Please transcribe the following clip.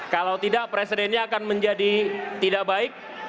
kalau tidak presidennya akan menjadi tidak baik